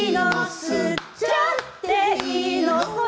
吸っちゃっていいの？」